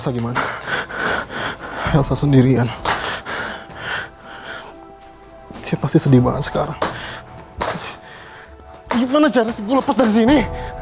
gimana jalan sebuah lepas dari sini